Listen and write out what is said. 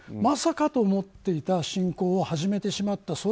まさかと思っていた侵攻を始めてしまった。